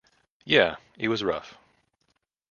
Yeah, it was rough.